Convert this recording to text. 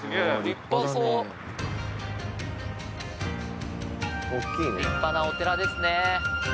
立派なお寺ですね。